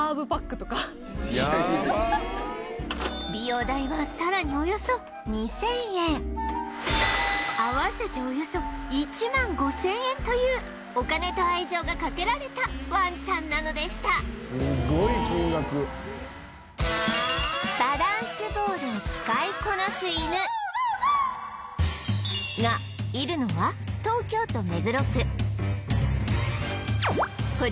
美容代はさらにおよそ２０００円合わせておよそ１万５０００円というお金と愛情がかけられたワンちゃんなのでした「すごい金額」がいるのは東京都目黒区